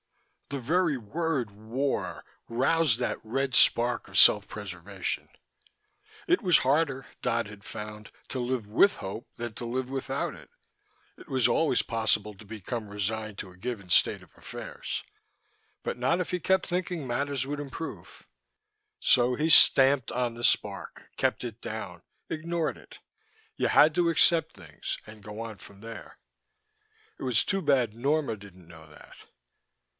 The very word "war" roused that red spark of self preservation. It was harder, Dodd had found, to live with hope than to live without it: it was always possible to become resigned to a given state of affairs but not if you kept thinking matters would improve. So he stamped on the spark, kept it down, ignored it. You had to accept things, and go on from there. It was too bad Norma didn't know that.